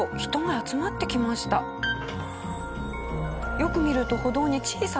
よく見ると歩道に小さな穴が。